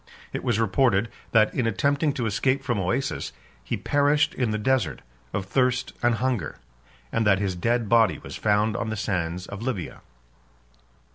15 It was reported, that, in attempting to escape from Oasis, he perished in the desert, of thirst and hunger; and that his dead body was found on the sands of Libya.